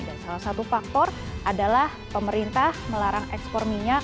dan salah satu faktor adalah pemerintah melarang ekspor minyak